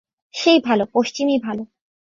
সেই ভালো, পশ্চিমই ভালো।